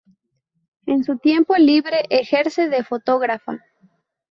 En su tiempo libre ejerce de fotógrafa.